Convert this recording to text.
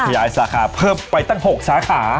ยายสาขาเพิ่มไปตั้ง๖สาขา